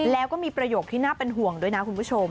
แล้วก็มีประโยคที่น่าเป็นห่วงด้วยนะคุณผู้ชม